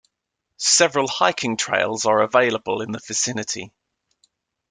Several hiking trails are available in the vicinity.